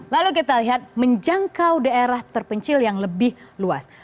lalu kita lihat menjangkau daerah terpencil yang lebih luas